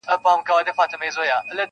هم له کلیو هم له ښار دعوې راتللې -